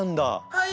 はい。